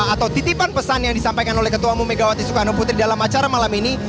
atau titipan pesan yang disampaikan oleh ketua umum megawati soekarno putri dalam acara malam ini